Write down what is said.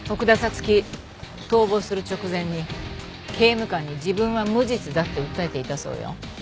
月逃亡する直前に刑務官に自分は無実だって訴えていたそうよ。